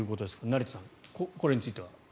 成田さん、これについては。